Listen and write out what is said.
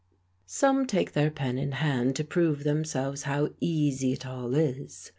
Some take their pen in hand to prove to themselves how easy it all is.